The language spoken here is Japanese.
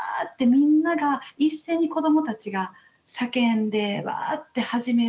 みんなが一斉に子どもたちが叫んで「ワ！」って始める。